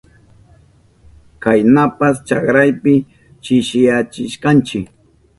Kaynapas chakrapi chishiyashkanchi.